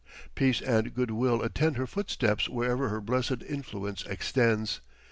Peace and good will attend her footsteps wherever her blessed influence extends.